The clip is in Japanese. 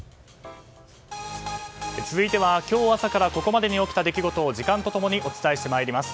続いては今日朝からここまでに起きた出来事を時間と共にお伝えして参ります。